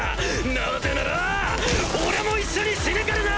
なぜなら俺も一緒に死ぬからな！